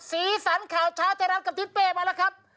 สีสันข่าวเช้าไทยรัฐกับทิศเป้มาแล้วครับ